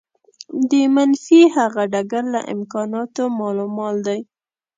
د منفي هغه ډګر له امکاناتو مالامال دی.